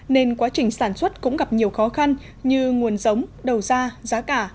nên quá trình sản xuất cũng gặp nhiều khó khăn như nguồn giống đầu ra giá cả